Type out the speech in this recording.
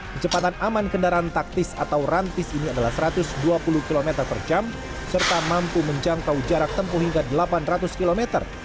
kecepatan aman kendaraan taktis atau rantis ini adalah satu ratus dua puluh km per jam serta mampu menjangkau jarak tempuh hingga delapan ratus km